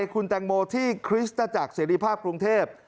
คุณแตงโมที่คริสตจักรเสรีภาพกรุงเทพ